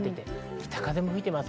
北風も吹いています。